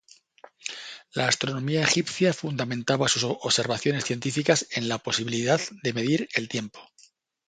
La astronomía egipcia fundamentaba sus observaciones científicas en la posibilidad de medir el tiempo.